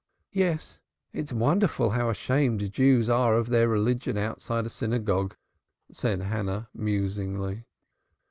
"Yes, it's wonderful how ashamed Jews are of their religion outside a synagogue!" said Hannah musingly.